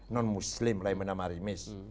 non muslim lainnya namanya rimis